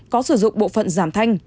có sử dụng bộ phận giảm thanh